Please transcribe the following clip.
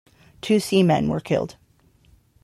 Two seamen were killed.